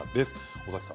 尾崎さん